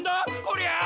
こりゃあ！